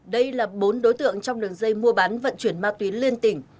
đây là bốn đối tượng trong đường dây mua bán vận chuyển ma túy liên tỉnh